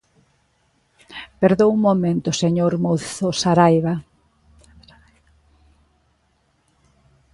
Perdoe un momento, señor Mouzo Saraiba.